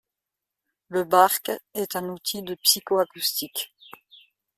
Le bark est un outil de psychoacoustique.